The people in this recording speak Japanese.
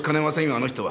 あの人は。